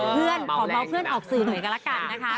ขอเมาส์เพื่อนออกสื่อหน่อยกันละกันนะคะ